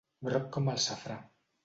Groc com el safrà.